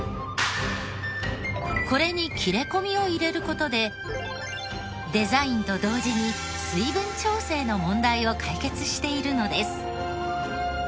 これに切れ込みを入れる事でデザインと同時に水分調整の問題を解決しているのです。